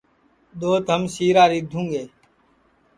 دؔوت ہم سِیرا رِیدھُوں گے